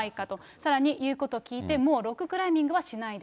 さらに言うこと聞いて、もうロッククライミングはしないで。